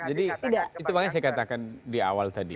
jadi itu yang saya katakan di awal tadi